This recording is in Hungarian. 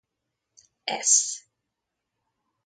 Sz